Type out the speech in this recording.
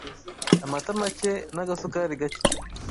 amata make n’agasukari gake